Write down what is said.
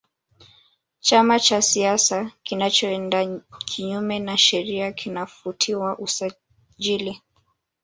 chama cha siasa kinachoenda kinyume na sheria kinafutiwa usajili